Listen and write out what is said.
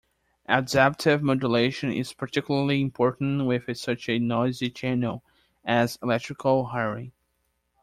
Adaptive modulation is particularly important with such a noisy channel as electrical wiring.